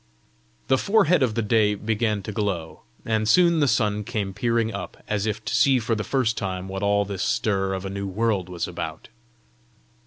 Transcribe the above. The forehead of the day began to glow, and soon the sun came peering up, as if to see for the first time what all this stir of a new world was about.